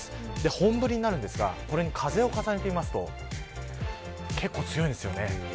本降りになるんですがこれに風を重ねてみると結構強いんですよね。